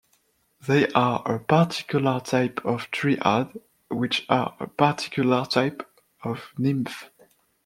They are a particular type of dryad, which are a particular type of nymph.